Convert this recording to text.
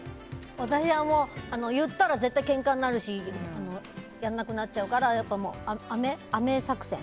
私は言ったら絶対けんかになるしやんなくなっちゃうからアメ作戦。